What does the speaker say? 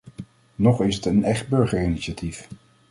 Noch is het een echt burgerinitiatief.